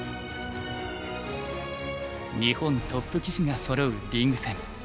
日本トップ棋士がそろうリーグ戦。